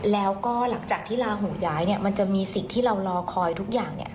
แล้วก็หลังจากที่ลาหูย้ายเนี่ยมันจะมีสิ่งที่เรารอคอยทุกอย่าง